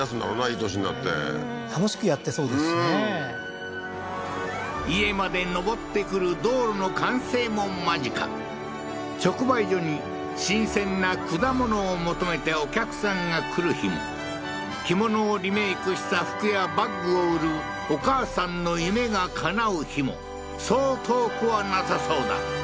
いい年になって楽しくやってそうですしね家まで上ってくる道路の完成も間近直売所に新鮮な果物を求めてお客さんが来る日も着物をリメイクした服やバッグを売るお母さんの夢がかなう日もそう遠くはなさそうだ